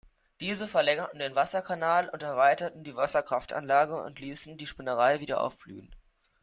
Diese verlängerten den Wasserkanal und erweiterten die Wasserkraftanlage und liessen die Spinnerei wieder aufblühen.